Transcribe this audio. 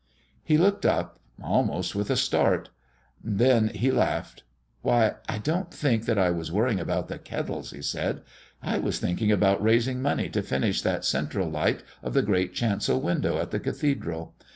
He looked up, almost with a start. Then he laughed. "Why, I don't think that I was worrying about the Kettles," he said. "I was thinking about raising money to finish that central light of the great chancel window at the cathedral. Mrs.